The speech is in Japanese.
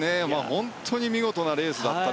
本当に見事なレースでした。